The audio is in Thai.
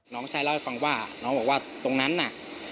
น้องชายเล่าให้ฟังว่าน้องบอกว่าตรงนั้นน่ะ